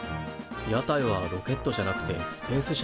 屋台はロケットじゃなくてスペースシャトルだぞ。